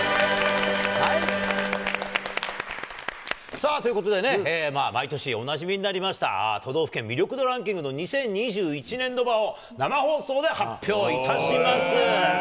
さあ、ということでね、毎年おなじみになりました、都道府県魅力度ランキングの２０２１年度版を生放送で発表いたします。